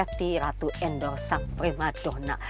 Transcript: berarti ratu endor sang prima donna